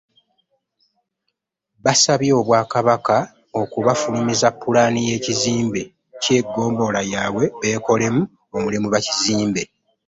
Baasabye Obwakabaka okubafulumiza ppulaani y’ekizimbe ky’eggombolola lyabwe beekolemu omulimu, bakizimbe.